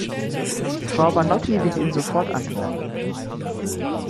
Frau Banotti wird Ihnen sofort antworten.